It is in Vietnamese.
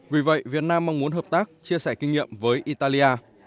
vì vậy việt nam mong muốn hợp tác chia sẻ kinh nghiệm với italia